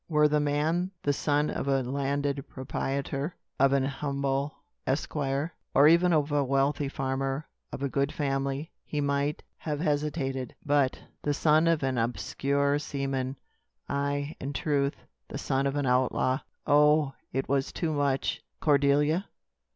Were the man the son of a landed proprietor of an humble esquire or even of a wealthy farmer, of good family, he might have hesitated; but the son of an obscure seaman aye, in truth, the son of an outlaw! Oh! it was too much! "Cordelia?